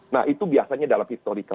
nah itu biasanya dalam historical